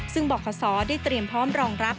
ซึ่งบอกขอสอได้เตรียมพร้อมรองรับ